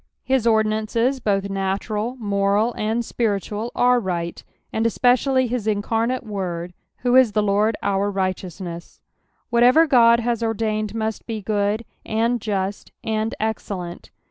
His ordinances both natural, moni, and spiritual, are right, and especially his incarnate Word, who is the Lord our righteousness. Whatever God has ordained must be good, and just, and excellent.